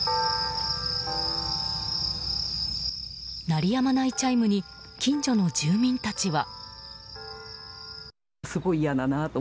鳴りやまないチャイムに近所の住民たちは。